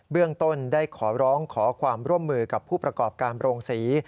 เรื่องต้นได้ขอร้องขอความร่วมมือกับผู้ประกอบการโรงศรี